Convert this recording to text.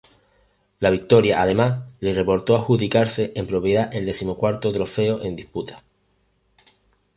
La victoria además le reportó adjudicarse en propiedad el decimocuarto trofeo en disputa.